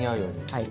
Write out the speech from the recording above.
はい。